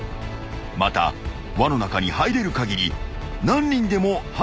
［また輪の中に入れるかぎり何人でも入ることが可能］